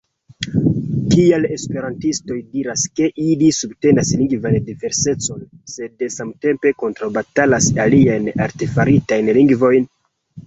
Kial esperantistoj diras, ke ili subtenas lingvan diversecon, sed samtempe kontraŭbatalas aliajn artefaritajn lingvojn?